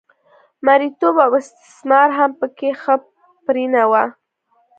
مریتوب او استثمار هم په کې ښه پرېنه و